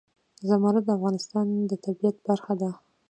زمرد د افغانستان د طبیعت برخه ده.